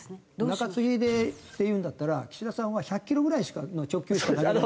中継ぎでっていうんだったら岸田さんは１００キロぐらいの直球しか投げれない。